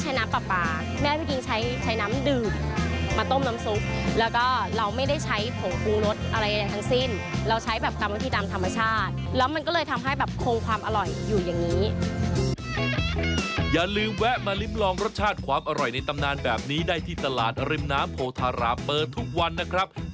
อย่าลืมแวะมาลิ้มลองรสชาติความอร่อยในตำนานแบบนี้ได้ที่ตลาดริมน้ำโพธารามเปิดทุกวันนะครับ